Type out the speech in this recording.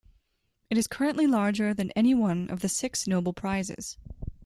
It is currently larger than any one of the six Nobel Prizes.